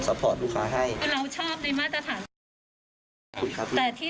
แล้วก็พี่เห็นได้ว่าสิ่งที่คุณไลท์ไว้